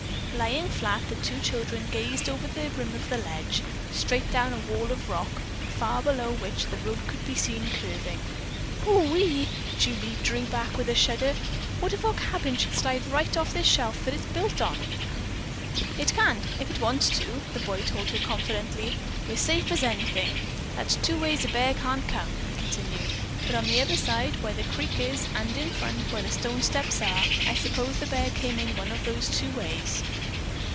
Lying flat, the two children gazed over the rim of the ledge, straight down a wall of rock, far below which the road could be seen curving. "Ohee!" Julie drew back with a shudder. "What if our cabin should slide right off this shelf that it's built on?" "It can't, if it wants to," the boy told her confidently. "We're safe here as anything. That's two ways a bear can't come," he continued; "but on the other side, where the creek is, and in front, where the stone steps are, I suppose the bear came in one of those two ways."